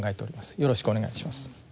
よろしくお願いします。